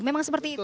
memang seperti itu